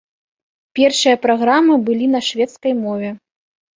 Першыя праграмы былі на шведскай мове.